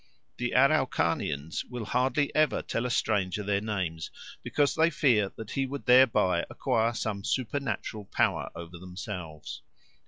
The Araucanians will hardly ever tell a stranger their names because they fear that he would thereby acquire some supernatural power over themselves.